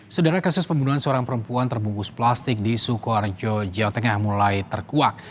saudara kasus pembunuhan seorang perempuan terbungkus plastik di sukoharjo jawa tengah mulai terkuak